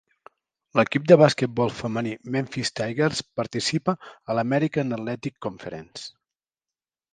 L"equip de basquetbol femení Memphis Tigers participa a l"American Athletic Conference.